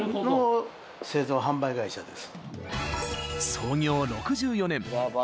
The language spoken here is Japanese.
［創業６４年］